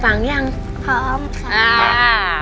คุณยายแดงคะทำไมต้องซื้อลำโพงและเครื่องเสียง